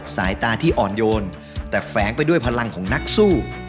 สายตาที่อ่อนโยนแต่แฝงไปด้วยพลังของนักสู้